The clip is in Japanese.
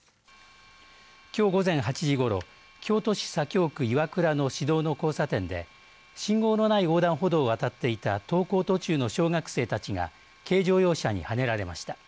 きょう午前８時ごろ京都市左京区岩倉の市道の交差点で信号のない横断歩道を渡っていた登校途中の小学生たちが軽乗用車にはねられました。